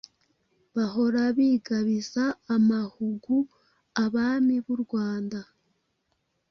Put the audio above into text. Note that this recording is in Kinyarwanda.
Bahora bigabiza Amahugu, Abami b’u Rwanda,